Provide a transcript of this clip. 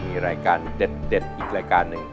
มีรายการเด็ดอีกรายการหนึ่ง